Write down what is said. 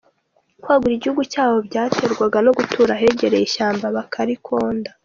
Kwagura igihugu cyabo byaterwaga no gutura ahegereye ishyamba bakarikonda.